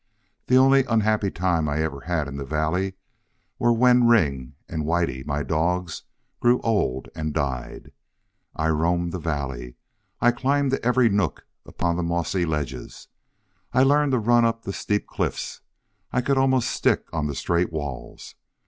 The only unhappy times I ever had in the valley were when Ring and Whitie, my dogs, grew old and died. I roamed the valley. I climbed to every nook upon the mossy ledges. I learned to run up the steep cliffs. I could almost stick on the straight walls.